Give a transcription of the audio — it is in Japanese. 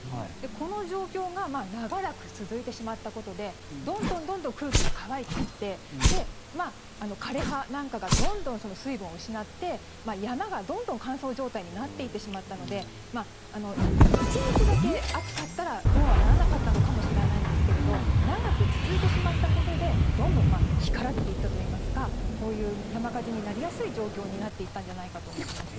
この状況が長らく続いてしまったことでどんどんどんどん空気が乾いていって枯れ葉なんかがどんどん水分を失って山がどんどん乾燥状態になっていってしまったので１日だけ暑かったらこうはならなかったのかもしれないんですけれど長く続いてしまったことでどんどん干からびていったといいますかこういう山火事になりやすい状況になっていったんじゃないかと思います。